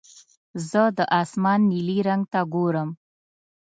زه د اسمان نیلي رنګ ته ګورم.